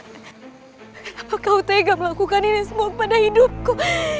kenapa kau tega melakukan ini semua pada hidupku